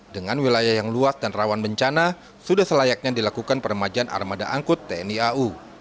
dengan wilayah yang luas dan rawan bencana sudah selayaknya dilakukan peremajaan armada angkut tni au